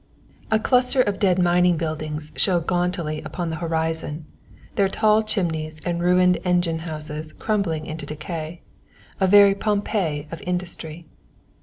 A cluster of dead mine buildings showed gauntly upon the horizon, their tall chimneys and ruined engine houses crumbling into decay a very Pompeii of Industry.